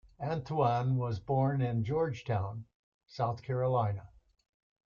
Anthuan was born in Georgetown, South Carolina.